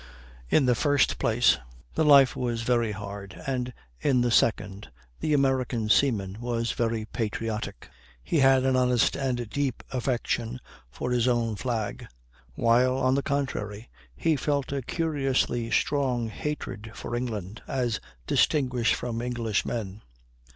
In the first place, the life was very hard, and, in the second, the American seaman was very patriotic. He had an honest and deep affection for his own flag; while, on the contrary, he felt a curiously strong hatred for England, as distinguished from Englishmen.